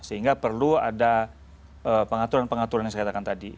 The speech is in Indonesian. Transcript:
sehingga perlu ada pengaturan pengaturan yang saya katakan tadi